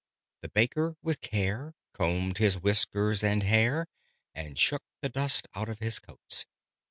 The Baker with care combed his whiskers and hair, And shook the dust out of his coats.